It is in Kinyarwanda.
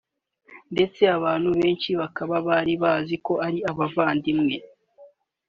ndetse abantu benshi bakaba bari banazi ko ari abavandimwe